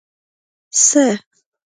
څه